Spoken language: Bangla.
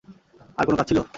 আর কোনো কাজ ছিল?